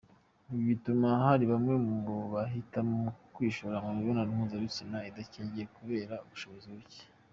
Ibi bituma hari bamwe mu bahitamo kwishora mu mibonano mpuzabitsina idakingiye, kubera ubushobozi buke.